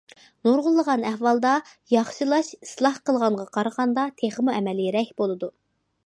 نۇرغۇنلىغان ئەھۋالدا، ياخشىلاش ئىسلاھ قىلغانغا قارىغاندا تېخىمۇ ئەمەلىيرەك بولىدۇ.